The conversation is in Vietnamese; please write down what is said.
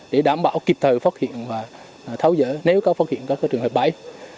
để đảm bảo kịp thời phát hiện và tháo dỡ nếu có phát hiện các trường hợp bẫy